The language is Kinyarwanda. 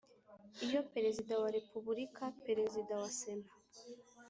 Iyo Perezida wa Repubulika Perezida wa Sena